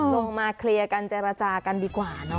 ลงมาเคลียร์กันเจรจากันดีกว่าเนาะ